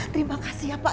terima kasih ya pak